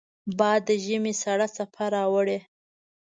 باد د ژمې سړه څپه راوړي